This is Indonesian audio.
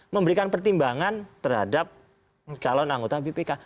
memberikan pertimbangan terhadap calon anggota bpk